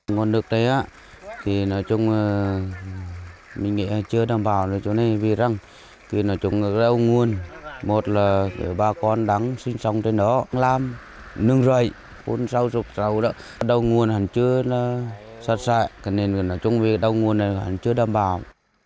nguồn nước đấy á thì nói chung mình nghĩ chưa đảm bảo cho nên vì rằng thì nói chung là đau nguồn một là bà con đắng sinh sống trên đó làm nướng rầy phun sâu rụp sâu đó đau nguồn hẳn chưa sát sại nên nói chung vì đau nguồn này hẳn chưa đảm bảo